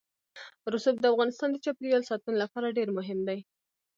رسوب د افغانستان د چاپیریال ساتنې لپاره ډېر مهم دي.